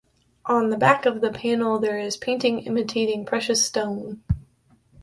On the back of the panel there is painting imitating precious stone.